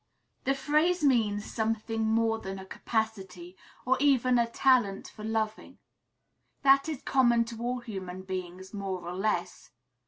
The phrase means something more than a capacity, or even a talent for loving. That is common to all human beings, more or less.